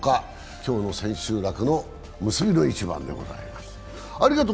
今日の千秋楽の結びの一番で行われます。